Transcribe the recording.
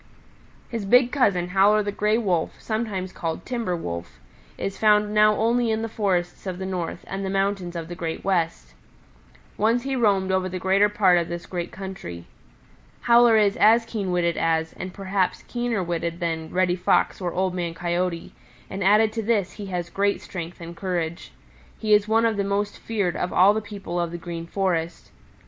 "His big cousin, Howler the Gray Wolf, sometimes called Timber Wolf is found now only in the forests of the North and the mountains of the Great West. Once he roamed over the greater part of this great country. Howler is as keen witted as, and perhaps keener witted than, Reddy Fox or Old Man Coyote, and added to this he has great strength and courage. He is one of the most feared of all the people of the Green Forest.